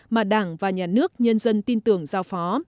mà đảng và nhà nước nhân dân tin tưởng giao phó